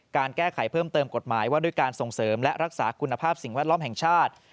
การแก้ไขเพิ่มเติมกฎหมายว่าด้วยการส่งเสริมและรักษาคุณภาพสิ่งแวดล้อมแห่งชาติ